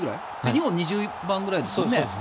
日本が２０番ぐらいですよね。